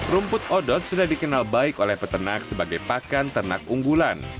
rumput odot sudah dikenal baik oleh peternak sebagai pakan ternak unggulan